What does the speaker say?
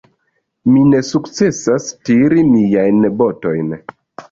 Mi ne sukcesas tiri miajn botojn.